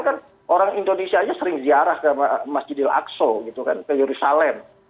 faktanya kita dengan israel kan orang indonesia aja sering ziarah ke masjidil aqsa gitu kan ke yerusalem